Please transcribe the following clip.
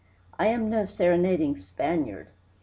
I am no serenading Spaniard."